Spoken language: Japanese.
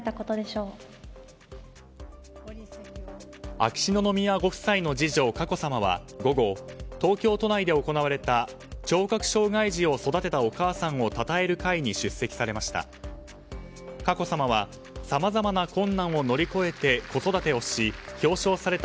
秋篠宮ご夫妻の次女佳子さまは午後、東京都内で行われた聴覚障害児を育てたお母さんをたたえる会に出席されました。